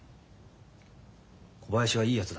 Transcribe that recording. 小林はいいやつだ。